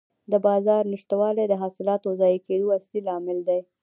د بازار نشتوالی د حاصلاتو ضایع کېدو اصلي لامل دی.